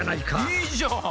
いいじゃん！